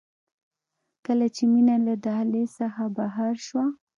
کله چې مينه له دهلېز څخه بهر شوه.